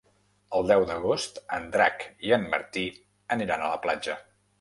El deu d'agost en Drac i en Martí aniran a la platja.